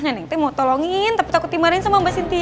nenek mau tolongin tapi takut dimarahin sama mbak sintia